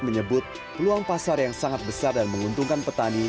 menyebut peluang pasar yang sangat besar dan menguntungkan petani